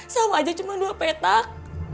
sama aja cuma dua petak